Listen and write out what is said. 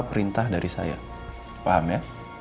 perintah dari saya paham ya